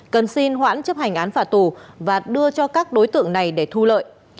cần xin hoãn chấp hành án phạt tù và đưa cho các đối tượng này để thu lợi